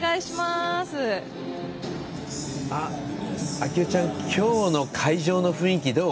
啓代ちゃん、今日の会場の雰囲気、どう？